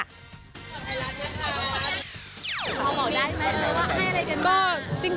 พอบอกได้ไหมว่าให้อะไรกันมา